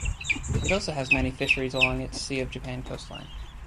It also has many fisheries along its Sea of Japan coastline.